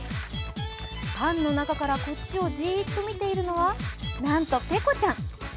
パンの中からこっちをじーっと見ているのはなんとペコちゃん。